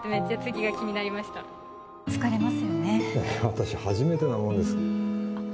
私初めてなものですあっ